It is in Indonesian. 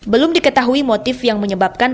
belum diketahui motif yang menyebabkan